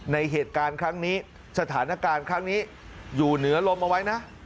ในเหตุการณ์ครั้งนี้สถานการณ์ครั้งนี้อยู่เหนือลมเอาไว้นะ